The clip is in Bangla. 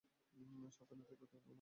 সাবধানে থেকো, অমুধা।